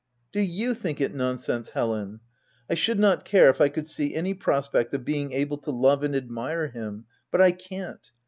Do you think it nonsense, Helen? I should not care if I could see any prospect of being able to love and admire him, but I can't.